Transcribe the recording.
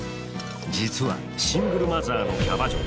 実はシングルマザーのキャバ嬢。